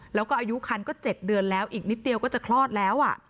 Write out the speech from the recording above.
แล้วก็อายุคันก็๗เดือนแล้วอีกนิดเดียวก็จะคลอดแล้ว